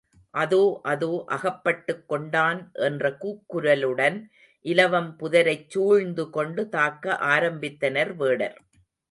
அதோ அதோ, அகப்பட்டுக் கொண்டான் என்ற கூக்குரலுடன் இலவம் புதரைச் சூழ்ந்துகொண்டு தாக்க ஆரம்பித்தனர் வேடர்.